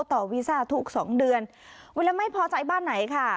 วีซ่าทุกสองเดือนเวลาไม่พอใจบ้านไหนค่ะ